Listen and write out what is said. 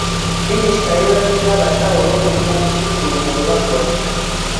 Minisita yeebazizza abasawo olw'omulimu omusukkulumu gwe bakola.